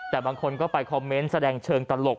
แต่บางคนก็ไปคอมเมนต์แสดงเชิงตลก